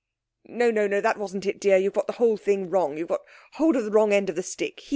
'No no no; that wasn't it, dear; you've got the whole thing wrong you've got hold of the wrong end of the stick.